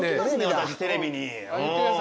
私テレビに。